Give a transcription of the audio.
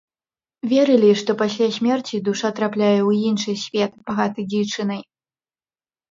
Верылі, што пасля смерці душа трапляе ў іншы свет, багаты дзічынай.